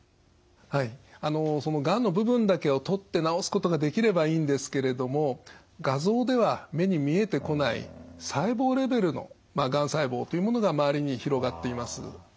はいそのがんの部分だけを取って治すことができればいいんですけれども画像では目に見えてこない細胞レベルのがん細胞というものが周りに広がっています。